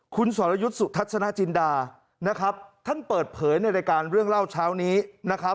คุณสรยุทธ์สุทัศนจินดานะครับท่านเปิดเผยในรายการเรื่องเล่าเช้านี้นะครับ